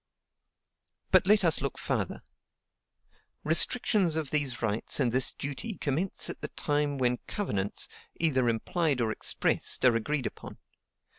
But let us look farther: "Restrictions of these rights and this duty commence at the time when covenants, either implied or expressed, are agreed upon.